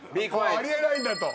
あり得ないんだと。